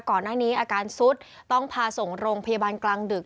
ก่อนหน้านี้อาการสุดต้องพาส่งโรงพยาบาลกลางดึก